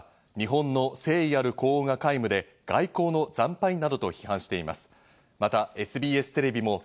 革新系のハンギョレ新聞は日本の誠意ある呼応が皆無で、外交の惨敗などと批判しています。